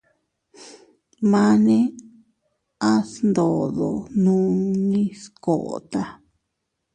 Mane a sndodo nunni skota.